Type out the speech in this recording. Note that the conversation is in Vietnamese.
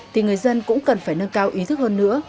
thì người dân cũng cần phải nâng cao ý thức hơn nữa